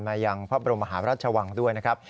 มาอย่างพระบรมหารัชวังด้วยนะครับ